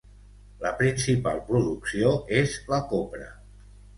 La principal producció és la copra.